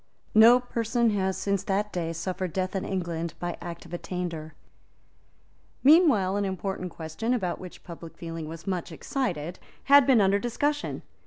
No person has, since that day, suffered death in England by Act of Attainder. Meanwhile an important question, about which public feeling was much excited, had been under discussion.